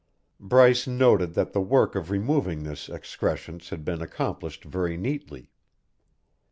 Bryee noted that the work of removing this excrescence had been accomplished very neatly.